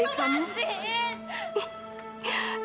lepaskan kalian semua lepaskan